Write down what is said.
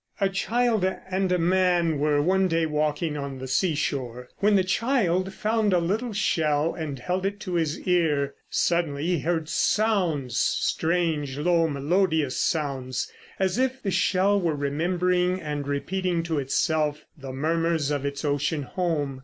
A child and a man were one day walking on the seashore when the child found a little shell and held it to his ear. Suddenly he heard sounds, strange, low, melodious sounds, as if the shell were remembering and repeating to itself the murmurs of its ocean home.